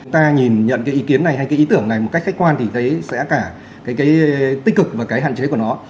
ta nhìn nhận cái ý kiến này hay cái ý tưởng này một cách khách quan thì thấy sẽ cả cái tích cực và cái hạn chế của nó